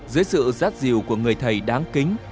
dưới sự rát rìu của người thầy đáng kính